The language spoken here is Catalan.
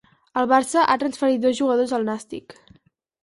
El Barça ha transferit dos jugadors al Nàstic.